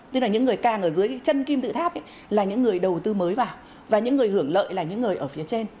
tức là những người càng ở dưới chân kim tự tháp là những người đầu tư mới vào và những người hưởng lợi là những người ở phía trên